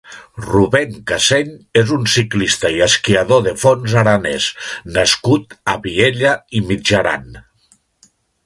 Rubén Caseny és un ciclista i esquiador de fons aranès nascut a Viella i Mitjaran.